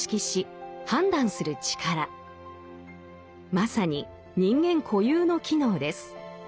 まさに人間固有の機能です。